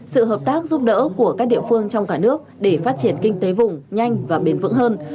sự hợp tác giúp đỡ của các địa phương trong cả nước để phát triển kinh tế vùng nhanh và bền vững hơn